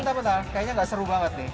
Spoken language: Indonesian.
bentar bentar kayaknya gak seru banget nih